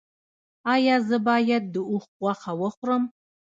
ایا زه باید د اوښ غوښه وخورم؟